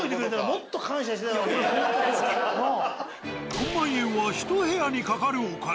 ４万円は１部屋にかかるお金。